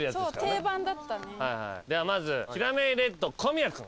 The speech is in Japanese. ではまずキラメイレッド小宮君。